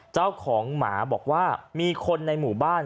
เจ้าของหมาบอกว่ามีคนในหมู่บ้าน